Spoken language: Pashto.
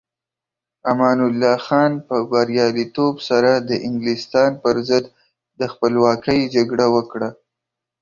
امان الله خان په بریالیتوب سره د انګلستان پر ضد د خپلواکۍ جګړه وکړه.